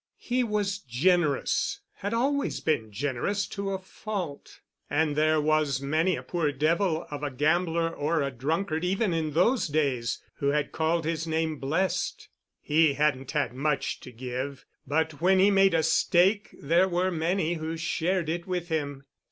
He was generous, had always been generous to a fault, and there was many a poor devil of a gambler or a drunkard even in those days who had called his name blessed. He hadn't had much to give, but when he made a stake there were many who shared it with him.